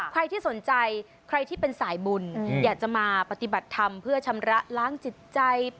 ใครที่สนใจใครที่เป็นสายบุญอยากจะมาปฏิบัติธรรมเพื่อชำระล้างจิตใจ